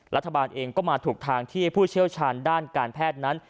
รัฐบาลเองก็มาถูกทางที่ให้ผู้เชี่ยวชาญด้านการแพทย์นั้น